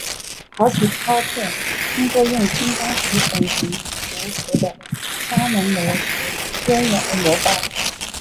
陶瓷刀片通过用金刚石粉尘涂覆的砂轮磨削边缘而磨刀。